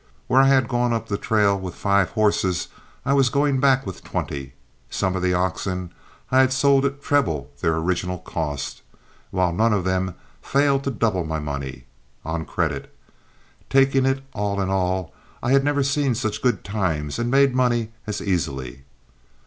Where I had gone up the trail with five horses, I was going back with twenty; some of the oxen I had sold at treble their original cost, while none of them failed to double my money on credit. Taking it all in all, I had never seen such good times and made money as easily.